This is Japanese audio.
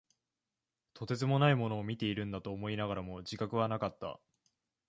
とてつもないものを見ているんだと思いながらも、自覚はなかった。